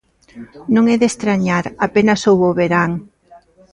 Non é de estrañar, apenas houbo verán.